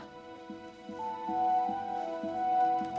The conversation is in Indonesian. pak pengapas dia seperti ini